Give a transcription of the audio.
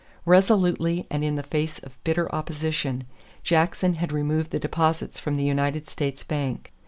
Resolutely and in the face of bitter opposition Jackson had removed the deposits from the United States Bank.